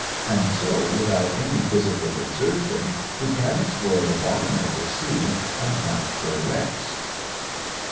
And so without any physical exertion, he can explore the bottom of the sea and hunt for wrecks.